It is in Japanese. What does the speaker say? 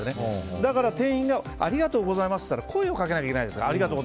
だから店員がありがとうございますっていうと声をかけられないといけない。